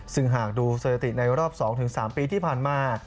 ซึ่งหากดูสถิติในรอบ๒๓ปีที่ผ่านมา